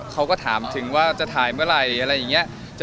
เขาก็ถามถึงว่าจะถ่ายเมื่อไหร่อะไรอย่างนี้